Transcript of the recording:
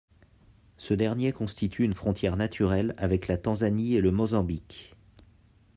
Ce dernier constitue une frontière naturelle avec la Tanzanie et le Mozambique.